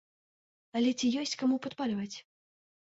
Але ці ёсць каму падпальваць?